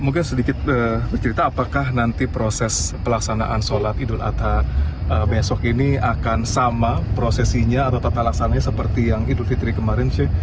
mungkin sedikit bercerita apakah nanti proses pelaksanaan sholat idul adha besok ini akan sama prosesinya atau tata laksananya seperti yang idul fitri kemarin sheikh